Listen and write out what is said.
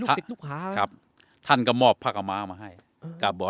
ลูกศักดิ์ลูกภาพครับท่านก็มอบพระกรม้ามาให้กับเบอร์